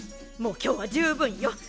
もう今日は十分よ。